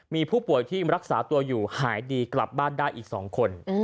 มีผู้ป่วยที่รักษาตัวอยู่หายดีกลับบ้านได้อีก๒คน